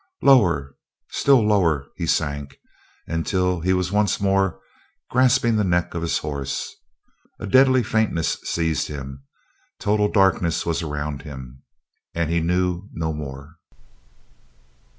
Lower still lower he sank, until he was once more grasping the neck of his horse. A deadly faintness seized him, total darkness was around him, and he knew no more.